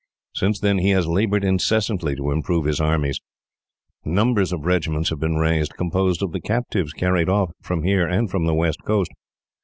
Since then, he has laboured incessantly to improve his army. Numbers of regiments have been raised, composed of the captives carried off from here and from the west coast.